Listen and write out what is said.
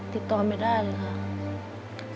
ติดต่อไม่ได้เลยค่ะ